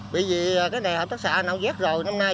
vì cái này hợp tác xã nạo giác rồi